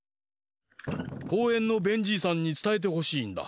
こうえんのベンじいさんにつたえてほしいんだ。